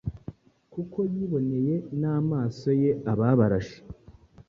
kuko yiboneye n’amaso ye ababarashe